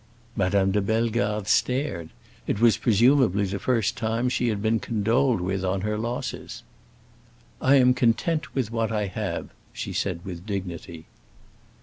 Madame de Bellegarde stared; it was presumably the first time she had been condoled with on her losses. "I am content with what I have," she said with dignity.